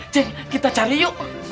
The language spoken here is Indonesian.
ceng kita cari yuk